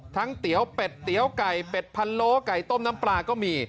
เตี๋ยวเป็ดเตี๋ยวไก่เป็ดพันโลไก่ต้มน้ำปลาก็มี